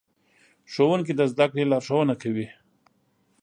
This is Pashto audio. ښوونکي د زدهکړې لارښوونه کوي.